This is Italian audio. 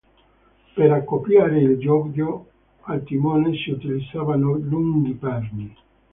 Per accoppiare il giogo al timone si utilizzavano lunghi perni.